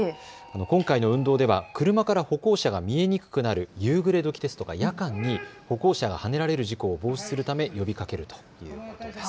今回の運動では車から歩行者が見えにくくなる夕暮れ時ですとか夜間に歩行者がはねられる事故を防止するために呼びかけるということです。